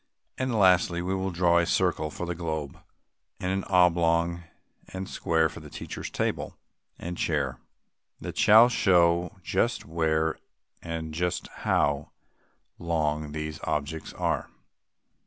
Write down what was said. And lastly, we will draw a circle for the globe, and an oblong and square for the teacher's table and chair, that shall show just where and just how long these objects are.